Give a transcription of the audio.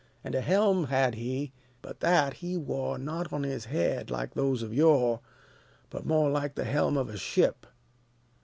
And a helm had he, but that he wore, Not on his head, like those of yore, But more like the helm of a ship.